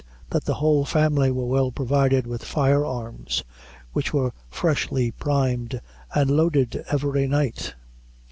that the whole family were well provided with fire arms, which were freshly primed and loaded every night.